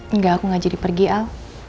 enggak aku ngajari pergi al